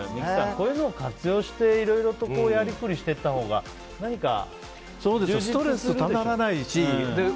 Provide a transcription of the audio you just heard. こういうのを活用していろいろやりくりしていったほうが何か充実するでしょうね。